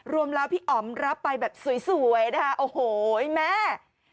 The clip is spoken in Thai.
รวมแล้วพี่อ๋อมรับไปแบบสวยนะคะโอ้โหแม่